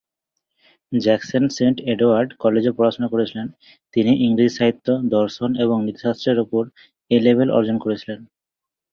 Jackson Saint Edward's কলেজে পড়াশোনা করেছিলেন, যেখানে তিনি ইংরেজি সাহিত্য, দর্শন এবং নীতিশাস্ত্রের উপর এ-লেভেল অর্জন করেছিলেন।